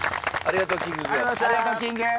ありがとうキングくん。